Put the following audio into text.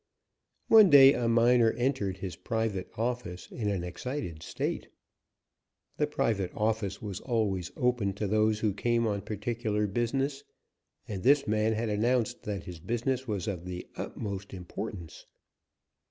One day a miner entered his private office in an excited state. The private office was always open to those who came on particular business, and this man had announced that his business was of the utmost importance.